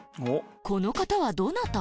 この方はどなた？